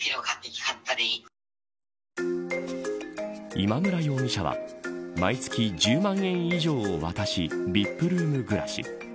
今村容疑者は毎月１０万円以上を渡しＶＩＰルーム暮らし。